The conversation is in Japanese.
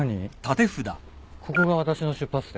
「ここが私の出発点」